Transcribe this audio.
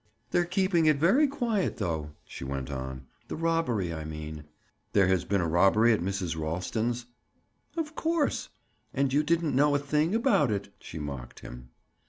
"They're keeping it very quiet, though," she went on. "The robbery, I mean!" "There has been a robbery at Mrs. Ralston's?" "Of course. And you didn't know a thing about it?" she mocked him.